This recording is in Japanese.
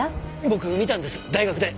僕見たんです大学で。